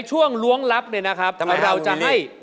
โอเควิวทางนี้จากต้อนเข้าไป